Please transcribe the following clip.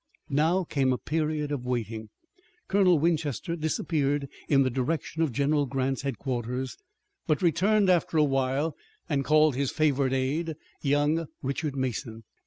Now came a period of waiting. Colonel Winchester disappeared in the direction of General Grant's headquarters, but returned after a while and called his favorite aide, young Richard Mason.